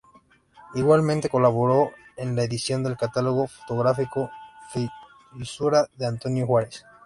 Igualmente colaboró en la edición del catálogo fotográfico f.isura de Antonio Juárez.